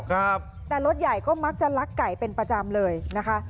ครับแต่รถใหญ่ก็มักจะลักไก่เป็นประจำเลยนะคะ